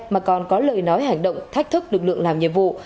mà còn có lời nói hành động thách thức lực lượng làm nhiệm vụ